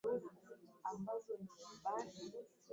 Kaskazini mwa nchi hakuna bonde kubwa la kati.